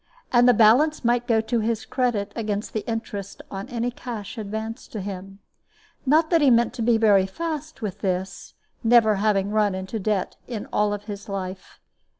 And the balance might go to his credit against the interest on any cash advanced to him. Not that he meant to be very fast with this, never having run into debt in all his life.